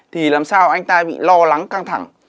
thì làm sao anh ta bị lo lắng căng thẳng